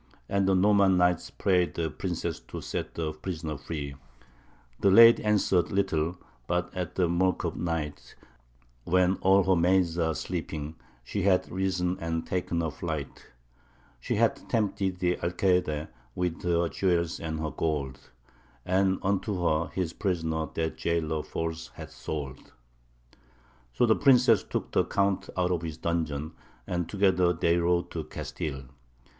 And the Norman knight prayed the princess to set the prisoner free. The lady answered little, but at the mirk of night, When all her maids are sleeping, she hath risen and ta'en her flight: She hath tempted the Alcayde with her jewels and her gold, And unto her his prisoner that jailor false hath sold. So the princess took the Count out of his dungeon, and together they rode to Castile.